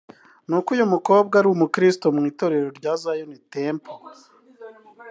nuko uyu mukobwa ari n'umukristo mu itorero Zion Temple